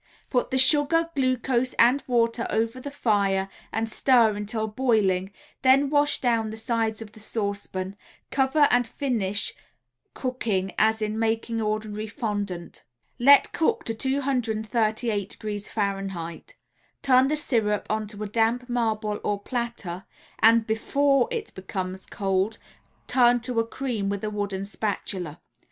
Put the sugar, glucose and water over the fire and stir until boiling, then wash down the sides of the saucepan, cover and finish cooking as in making ordinary fondant. Let cook to 238° F. Turn the syrup onto a damp marble or platter and before it becomes cold turn to a cream with a wooden spatula.